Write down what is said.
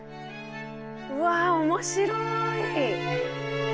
うわ面白い。